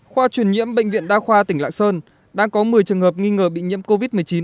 khoa truyền nhiễm bệnh viện đa khoa tỉnh lạng sơn đang có một mươi trường hợp nghi ngờ bị nhiễm covid một mươi chín